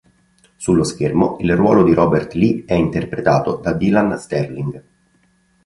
Sullo schermo il ruolo di Robert Lee è interpretato da Dylan Sterling.